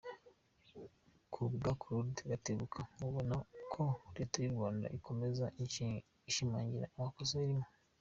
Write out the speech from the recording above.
Kubwa Claude Gatebuke, abona ko leta y’u Rwanda ikomeza ishimangira amakosa irimo.